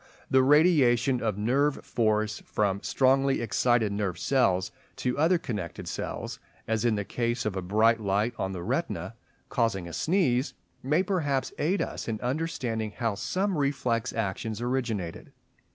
The radiation of nerve force from strongly excited nerve cells to other connected cells, as in the case of a bright light on the retina causing a sneeze, may perhaps aid us in understanding how some reflex actions originated.